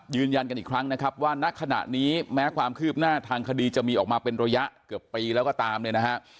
ยืนยันกันอีกครั้งนะครับว่าณขณะนี้แม้ความคืบหน้าทางคดีจะมีออกมาเป็นระยะเกือบปีแล้วก็ตามเนี่ยนะฮะ